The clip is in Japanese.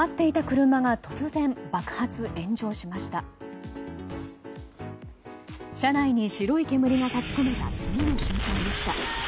車内に白い煙が立ち込めた次の瞬間でした。